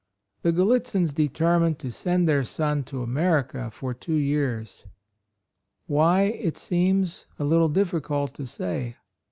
The Gallitzins determined to send their son to America for two years, — why it seems a little difficult to say.